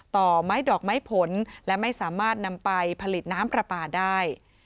ต่อไม้ดอกไม้ผลและไม่สามารถนำไปผลิตน้ำปลาปลาได้